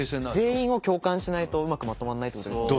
全員を共感しないとうまくまとまんないってことですもんね。